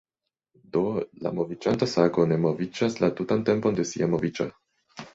Do, la moviĝanta sago ne moviĝas la tutan tempon de sia moviĝo".